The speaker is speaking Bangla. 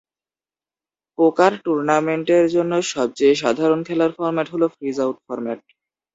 পোকার টুর্নামেন্টের জন্য সবচেয়ে সাধারণ খেলার ফরম্যাট হল "ফ্রিজআউট" ফরম্যাট।